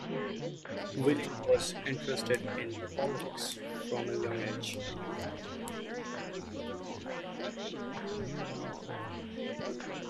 Williams was interested in politics from a young age.